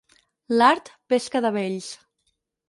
L'art, pesca de vells.